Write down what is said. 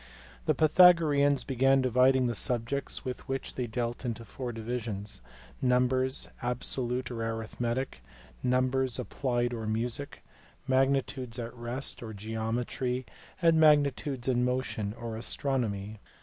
The Pythagoreans began by dividing the subjects with which they dealt into four divisions: numbers absolute or arithmetic, numbers applied or music, magnitudes at rest or geometry, and magnitudes in motion or astronomy.